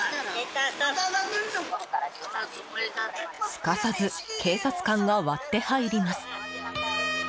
すかさず警察官が割って入ります。